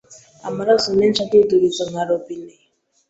amaraso menshi adudubiza nka robinet,